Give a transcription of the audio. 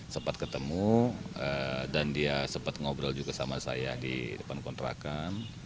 sempat ketemu dan dia sempat ngobrol juga sama saya di depan kontrakan